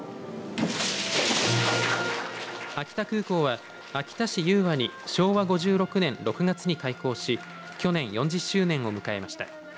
秋田空港は秋田市雄和に昭和５６年６月に開港し去年４０周年を迎えました。